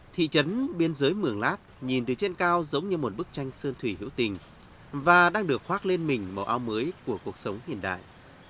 thị trấn biên giới mường lát nhìn từ trên cao giống như một bức tranh sơn thủy hữu tình và đang được khoác lên mình màu áo mới của cuộc sống hiện đại